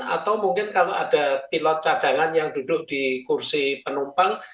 atau mungkin kalau ada pilot cadangan yang duduk di kursi penumpang